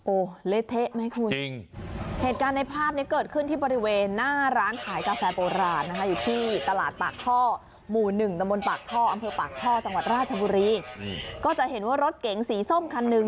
โอ้โหเละเทะไหมคุณจริงเหตุการณ์ในภาพนี้เกิดขึ้นที่บริเวณหน้าร้านขายกาแฟโบราณนะคะอยู่ที่ตลาดปากท่อหมู่หนึ่งตะมนต์ปากท่ออำเภอปากท่อจังหวัดราชบุรีก็จะเห็นว่ารถเก๋งสีส้มคันหนึ่ง